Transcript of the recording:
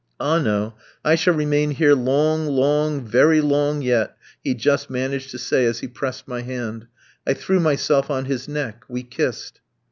"Ah, no! I shall remain here long, long, very long yet," he just managed to say, as he pressed my hand. I threw myself on his neck; we kissed.